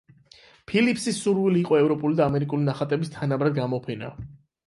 ფილიპსის სურვილი იყო ევროპული და ამერიკული ნახატების თანაბრად გამოფენა.